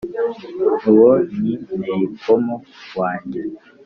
uwo ni nteyikomo wange